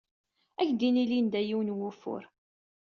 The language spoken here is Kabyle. Ad ak-d-tini Linda yiwen n wufur.